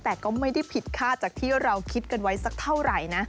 แต่ก็ไม่ได้ผิดค่าจากที่เราคิดกันไว้สักเท่าไหร่นะ